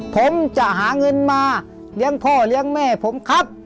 ผมจะหาเงินมาเลี้ยงพ่อเลี้ยงแม่ผมครับ